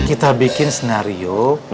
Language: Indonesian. kita bikin scenario